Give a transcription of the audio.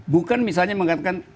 bukan misalnya mengatakan